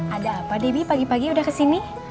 ada pak debbie pagi pagi udah kesini